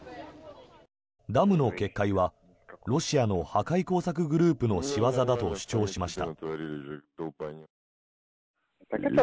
ダムの決壊はロシアの破壊工作グループの仕業だと主張しました。